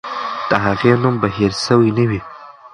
د هغې نوم به هېر سوی نه وي.